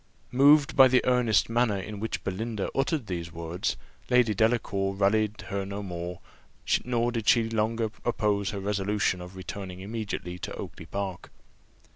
Moved by the earnest manner in which Belinda uttered these words, Lady Delacour rallied her no more, nor did she longer oppose her resolution of returning immediately to Oakly park.